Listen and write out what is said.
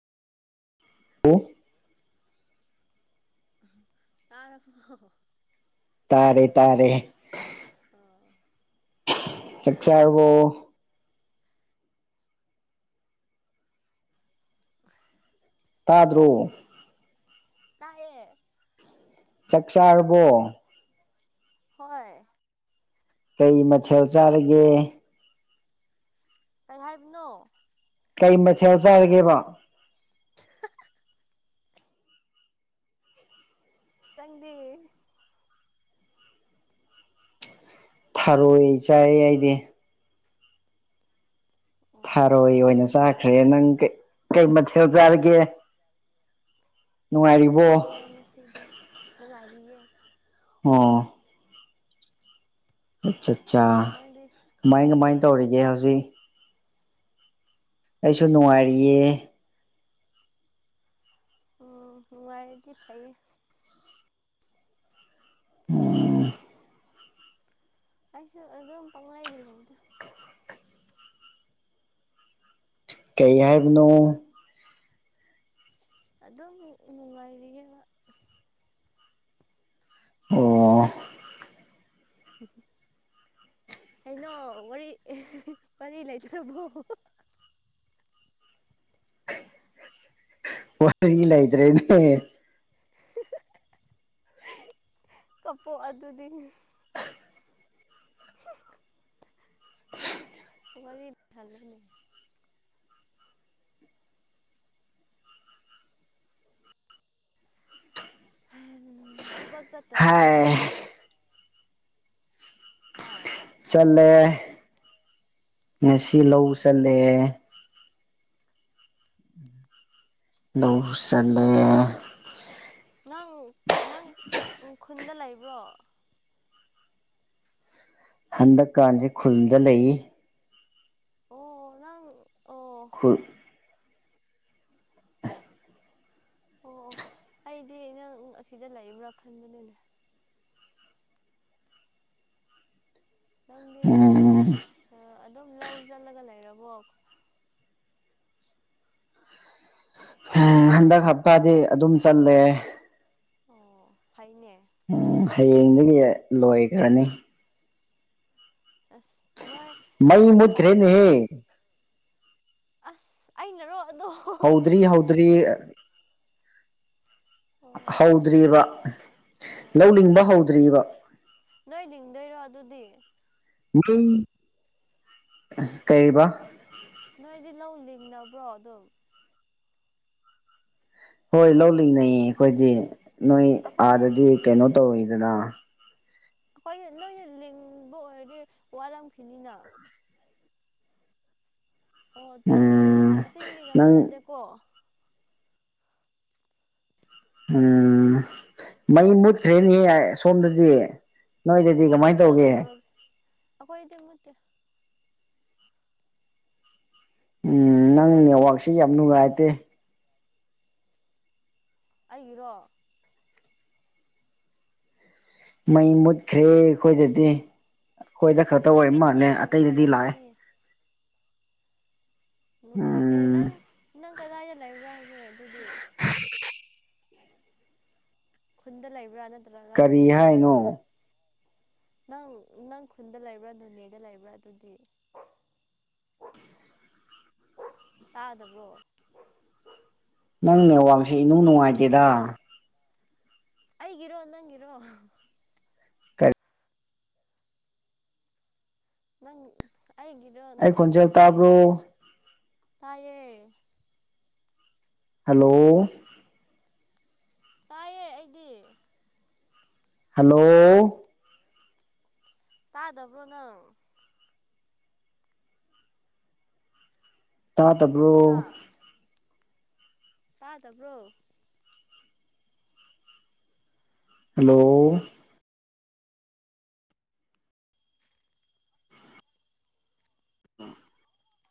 ꯂꯣ ꯇꯥꯔꯕꯣ ꯇꯥꯔꯦ ꯇꯥꯔꯦ ꯑꯣ ꯆꯛ ꯆꯥꯔꯕꯣ ꯇꯥꯗ꯭ꯔꯣ ꯇꯥꯏꯌꯦ ꯆꯥꯛ ꯆꯥꯥꯔꯕꯣ ꯍꯣꯏ ꯀꯩ ꯃꯊꯦꯜ ꯆꯥꯔꯒꯦ ꯀꯩ ꯍꯥꯏꯕꯅꯣ ꯀꯩ ꯃꯊꯦꯜ ꯆꯥꯔꯒꯦꯕ ꯅꯪꯗꯤ ꯊꯥꯔꯣꯏ ꯆꯥꯏ ꯑꯩꯗꯤ ꯑꯣ ꯊꯥꯔꯣꯏ ꯑꯣꯏꯅ ꯆꯥꯈ꯭ꯔꯦ ꯅꯪ ꯀꯩ ꯃꯊꯦꯜ ꯆꯥꯔꯒꯦ ꯌꯦꯟ ꯅꯨꯡꯉꯥꯏꯔꯤꯕꯣ ꯆꯥꯏꯌꯦ ꯉꯁꯤꯗꯤ ꯅꯨꯡꯉꯥꯏꯔꯤꯌꯦ ꯑꯣꯥ ꯑꯠꯆꯥ ꯆꯥ ꯅꯪꯗꯤ ꯀꯃꯥꯏ ꯀꯃꯥꯏ ꯅꯪꯗꯤ ꯇꯧꯔꯤꯒꯦ ꯍꯧꯖꯤꯛ ꯑꯩꯁꯨ ꯅꯨꯡꯉꯥꯏꯔꯤꯌꯦ ꯎꯝ ꯅꯨꯡꯉꯥꯢꯔꯗꯤ ꯐꯩꯌꯦ ꯎꯝ ꯑꯩꯁꯨ ꯑꯗꯨꯝ ꯄꯪꯂꯩꯗ ꯂꯩꯗ ꯀꯩ ꯍꯥꯏꯕꯅꯣ ꯑꯗꯝ ꯅꯨꯡꯉꯥꯏꯔꯤꯌꯦꯕ ꯑꯣ [inaudible] ꯀꯩꯅꯣ ꯋꯥꯔꯤ ꯄ ꯂꯩꯇ꯭ꯔꯕꯣ ꯋꯥ ꯏꯂꯗ꯭ꯔꯦꯅꯦ ꯀꯄꯣ ꯑꯗꯨꯗꯤ ꯄ ꯄꯨꯋꯥ ꯊꯜꯃꯅꯦ ꯊꯕꯛ ꯆꯠꯇꯕ꯭ꯔꯣ ꯍꯥꯏ ꯅꯪꯗꯤ ꯑ ꯆꯠꯂꯦ ꯉꯁꯤꯂ ꯑꯣ ꯆꯠꯂꯦ ꯂꯁꯂꯦ ꯅꯪ ꯅꯪ ꯈꯨꯟꯗ ꯂꯩꯕ꯭ꯔꯣ ꯍꯟꯗꯛꯀꯥꯟꯁꯤꯦ ꯈꯨꯜꯗ ꯂꯩꯌꯦ ꯑꯣ ꯅꯪ ꯑꯣ ꯑꯣ ꯈꯨꯠ ꯑꯣ ꯑꯣ ꯑꯩꯗꯤ ꯑ ꯅꯪ ꯑꯁꯤꯗ ꯂꯩꯕ꯭ꯔꯥ ꯈꯟꯕꯅꯤꯅꯦ ꯅꯪꯗꯤ ꯎꯝ ꯑꯗꯨꯝ ꯂꯧꯁꯤꯜꯂꯒ ꯂꯩꯔꯕꯣ ꯍꯥ ꯍꯟꯗꯛ ꯍꯞꯇꯥꯗꯤ ꯑꯗꯨꯝ ꯆꯠꯂꯦ ꯑꯣ ꯐꯥꯏꯅꯦ ꯎꯝ ꯍꯌꯦꯡꯗꯒꯤ ꯂꯣꯏꯈ꯭ꯔꯅꯤ ꯑꯁ ꯅꯣꯏ ꯃꯩ ꯂꯧ ꯐꯥꯎ ꯃꯨꯠꯈ꯭ꯔꯦꯅꯦꯍꯦ ꯑꯁ ꯑꯩꯅꯔꯣ ꯑꯗꯣ ꯑꯣ ꯍꯥꯎꯗ꯭ꯔꯤ ꯍꯥꯎꯗ꯭ꯔꯤ ꯍꯧꯗ꯭ꯔꯤꯕꯑꯔꯤꯕ ꯑꯣ ꯂꯧꯅꯤꯡꯡꯕ ꯍꯧꯗ꯭ꯑꯔꯤꯕ ꯅꯣꯏ ꯂꯤꯡꯗꯣꯏꯔꯣ ꯑꯗꯨꯗꯤ ꯃꯤ ꯀꯩꯔꯤꯕ ꯅꯣꯏꯗꯤ ꯂꯧ ꯂꯤꯡꯅꯕ꯭ꯔꯣ ꯑꯗꯨꯝ ꯍꯣꯏ ꯂꯧꯜꯂꯤꯅꯦꯩꯌꯦ ꯑꯩꯈꯣꯏꯗꯤ ꯅꯣꯏ ꯑꯩꯈꯣꯏꯗꯤ ꯑꯥꯗꯗꯤ ꯀꯩꯅꯣ ꯇꯧꯔꯤꯗꯅ ꯑꯩꯈꯣꯏ ꯅꯣꯏꯅ ꯂꯤꯡꯕ ꯑꯣꯏꯔꯗꯤ ꯋꯥꯔꯝꯈꯤꯅꯤꯅ ꯑꯣ ꯆꯤꯡꯒꯤ ꯎꯝ ꯆꯤꯡꯒꯤ ꯅꯪ ꯀꯃꯥꯟꯅꯗꯦꯀꯣ ꯎꯝ ꯃꯩ ꯃꯨꯠꯈ꯭ꯔꯦꯅꯦꯍꯦ ꯁꯣꯝꯗꯗꯤ ꯅꯣꯏꯗꯗꯤ ꯀꯃꯥꯏꯅ ꯇꯧꯒꯦ ꯑꯩꯈꯣꯏꯗꯤꯦꯝꯃꯠꯇ ꯎꯝ ꯅꯪ ꯃꯣꯠꯇꯦꯕ ꯅꯦꯠꯋꯔꯥꯛꯁꯤꯦ ꯌꯥꯝ ꯅꯨꯡꯉꯥꯏꯇꯦ ꯑꯩꯒꯤꯔꯣ ꯃ ꯃ ꯈ꯭ꯔꯦꯈꯣꯖꯗꯤ ꯑꯩꯈꯣꯏꯗ ꯈꯔꯛꯇ ꯑꯣꯏ ꯅꯪꯒꯤ ꯃꯥꯜꯂꯦ ꯅꯨꯡꯉꯥꯏꯇꯕ ꯑꯇꯩꯗꯗꯤ ꯂꯥꯛꯑꯦ ꯑꯣꯏꯔꯝꯒꯅꯤ ꯑꯦ ꯎꯝ ꯅꯪ ꯅꯪ ꯀꯗꯥꯏꯗ ꯂꯩꯕ꯭ꯔꯥ ꯍꯧꯖꯤꯦ ꯑꯗꯨꯗꯤ ꯈꯨꯟꯗ ꯂꯩꯕ꯭ꯔꯥꯅ ꯀꯔꯤ ꯍꯥꯏꯅꯣ ꯅꯪ ꯅꯪ ꯈꯨꯟꯗ ꯂꯩꯕ꯭ꯔꯥ ꯅꯣꯅꯦꯗ ꯂꯩꯕ꯭ꯔꯥ ꯑꯗꯨꯗꯤ [unintelligible] [inaudible] ꯇꯥꯗꯕ꯭ꯔꯣ ꯅꯪꯅꯦ ꯋꯥꯡꯁꯤ ꯏꯅꯨ ꯅꯨꯡꯉꯥꯏꯇꯦꯗ ꯑꯩꯒꯤꯔꯣ ꯅꯪꯒꯤꯔꯣ ꯀꯔꯤ ꯅꯪ ꯑꯩꯒꯤꯗꯣ ꯑꯩ ꯈꯣꯟꯖꯦꯜ ꯅꯨꯡꯉꯥꯏꯇ꯭ꯔꯤꯁꯦ ꯇꯥꯕ꯭ꯔꯣ ꯇꯥꯏꯌꯦ ꯍꯂꯣ ꯇꯥꯏꯑꯦ ꯑꯩꯗꯤ ꯍꯂꯣ ꯇꯥꯗꯕ꯭ꯔꯣ ꯅꯪ ꯇꯥꯗꯕ꯭ꯔꯣ ꯇꯥ ꯇꯕ꯭ꯔꯣ ꯍꯜꯂꯣ ꯎꯝ [unintelligible] [inaudible]